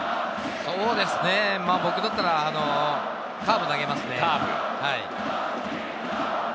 そうですね、僕だったらカーブを投げますね。